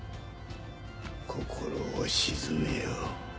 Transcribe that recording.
心を静めよ。